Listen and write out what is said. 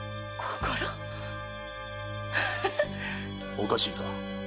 おかしいか？